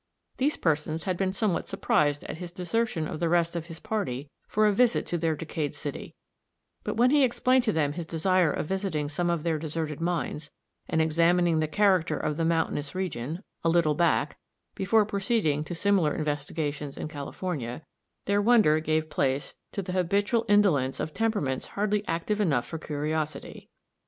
These persons had been somewhat surprised at his desertion of the rest of his party for a visit to their decayed city; but when he explained to them his desire of visiting some of their deserted mines, and examining the character of the mountainous region, a little back, before proceeding to similar investigations in California, their wonder gave place to the habitual indolence of temperaments hardly active enough for curiosity.